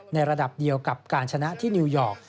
ในระดับเดียวกับการชนะที่นิวยอร์ก